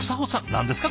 何ですか？